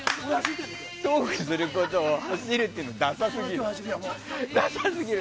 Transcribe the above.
トークすることを走るっていうのダサすぎる！